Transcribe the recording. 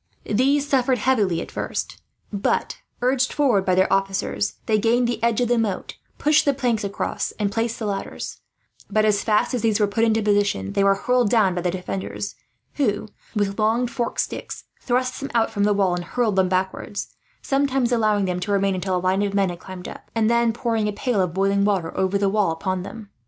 These suffered heavily but, urged forward by their officers, they gained the edge of the moat, pushed the planks across, and placed the ladders; but as fast as these were put into position, they were hurled down again by the defenders who, with long forked sticks, thrust them out from the wall and hurled them backwards; sometimes allowing them to remain until a line of men had climbed up, and then pouring a pail of boiling water over the wall upon them.